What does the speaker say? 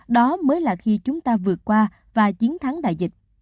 đó mới là khi chúng ta vượt qua và chiến thắng đại dịch